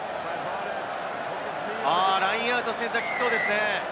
ラインアウトを選択しそうですね。